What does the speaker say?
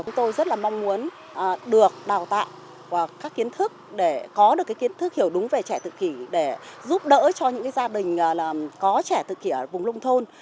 chúng tôi rất là mong muốn được đào tạo và các kiến thức để có được kiến thức hiểu đúng về trẻ tự kỷ để giúp đỡ cho những gia đình có trẻ tự kỷ ở vùng nông thôn